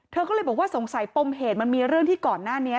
เธอก็เลยบอกว่าสงสัยปมเหตุมันมีเรื่องที่ก่อนหน้านี้